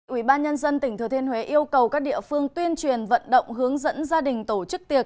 ủy ban nhân dân tỉnh thừa thiên huế yêu cầu các địa phương tuyên truyền vận động hướng dẫn gia đình tổ chức tiệc